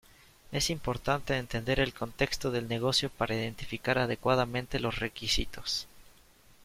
Es importante entender el contexto del negocio para identificar adecuadamente los requisitos.